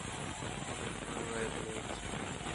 ও নিয়ন্ত্রণের বাইরে চলে যাচ্ছে।